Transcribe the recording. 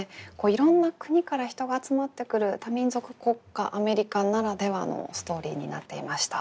いろんな国から人が集まってくる多民族国家アメリカならではのストーリーになっていました。